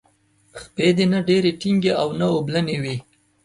خپې دې نه ډیرې ټینګې او نه اوبلنې وي.